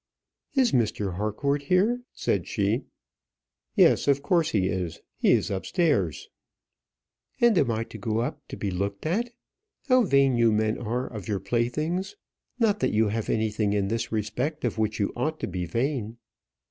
"Is Mr. Harcourt here?" said she. "Yes, of course he is. He is upstairs." "And I am to go up to be looked at. How vain you men are of your playthings! Not that you have anything in this respect of which you ought to be vain."